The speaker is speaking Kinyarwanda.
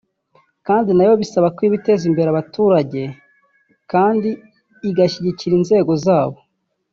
kandi nayo bisaba ko iba iteza imbere abaturage kandi igashyigikira inzego zabo